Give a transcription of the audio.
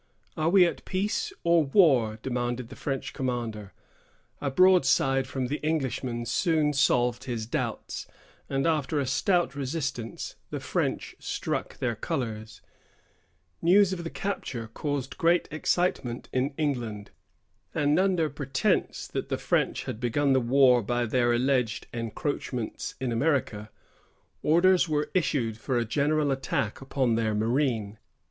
"Are we at peace or war?" demanded the French commander. A broadside from the Englishman soon solved his doubts, and after a stout resistance the French struck their colors. News of the capture caused great excitement in England, but the conduct of the aggressors was generally approved; and under pretence that the French had begun the war by their alleged encroachments in America, orders were issued for a general attack upon their marine.